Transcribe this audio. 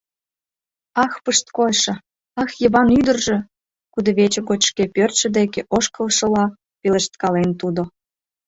— Ах, пышткойшо, ах, Еван ӱдыржӧ! — кудывече гоч шке пӧртшӧ деке ошкылшыла, пелешткален тудо.